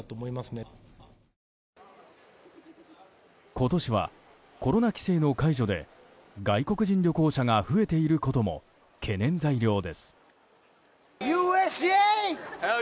今年はコロナ規制の解除で外国人旅行者が増えていることも懸念材料です。